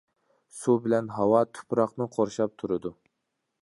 سۇ بىلەن ھاۋا تۇپراقنى قورشاپ تۇرىدۇ.